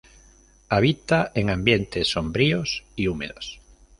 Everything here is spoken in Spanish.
Habita en ambientes sombríos y húmedos.